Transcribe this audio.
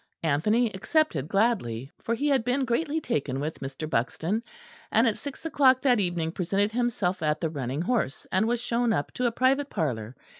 Anthony accepted gladly; for he had been greatly taken with Mr. Buxton; and at six o'clock that evening presented himself at the "Running Horse," and was shown up to a private parlour.